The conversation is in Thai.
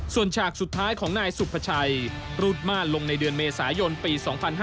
ส่วนฉากสุดท้ายของนายสุภาชัยรูดม่านลงในเดือนเมษายนปี๒๕๕๙